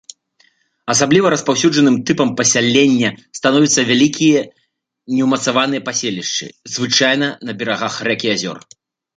Асабліва распаўсюджаным тыпам пасялення становяцца вялікія неўмацаваныя паселішчы, звычайна на берагах рэк і азёр.